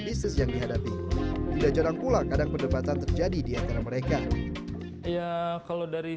bisnis yang dihadapi tidak jarang pula kadang pedebatan terjadi diantara mereka ia kalau dari